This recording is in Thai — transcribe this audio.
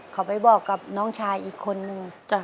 เขาไปบอกกับน้องชายอีกคนนึง